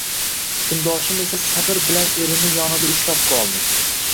Kundoshim esa sabr bilan erini yonida ushlab qoldi